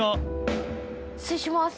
失礼します。